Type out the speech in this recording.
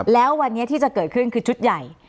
แล้ววันนี้ที่จะเกิดขึ้นคือชุดใหญ่